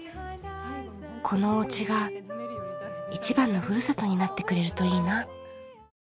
このおうちがいちばんのふるさとになってくれるといいな。